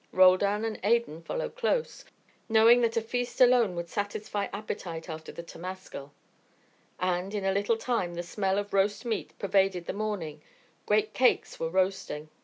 Roldan and Adan followed close, knowing that a feast alone would satisfy appetite after the temascal. And in a little time the smell of roast meat pervaded the morning, great cakes were roasting.